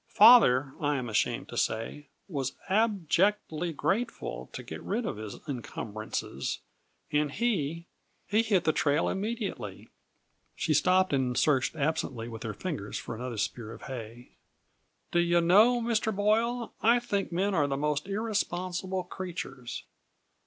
Father, I am ashamed to say, was abjectly grateful to get rid of his incumbrances, and he he hit the trail immediately." She stopped and searched absently with her fingers for another spear of hay. "Do you know, Mr. Boyle, I think men are the most irresponsible creatures!